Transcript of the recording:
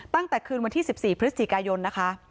ตั้งแต่คืนวันที่๑๔พฤศจิกายนนะคะ